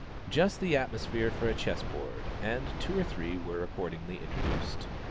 Just the atmosphere for a chess board, and two or three were accordingly introduced.